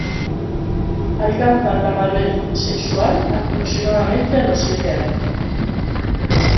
Alcanzan la madurez sexual aproximadamente a los siete años.